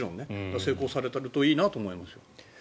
成功されているといいなと思いますね。